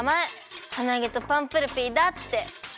ハナゲとパンプルピーだって。